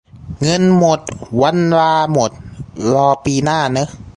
เงินหมด วันลาหมด รอปีหน้าเนอะ